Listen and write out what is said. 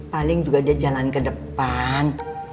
paling juga dia jalan ke depan